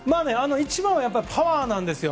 一番はパワーなんですよ。